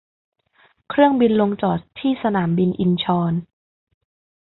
เครื่องบินลงจอดที่สนามบินอินชอน